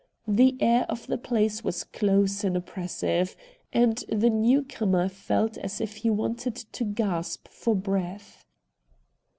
The air of the place was close and oppressive, and the new comer felt as if he wanted to gasp for breath.